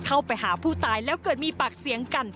เข้าไปหาผู้ตายแล้วเกิดมีปากเสียงกัน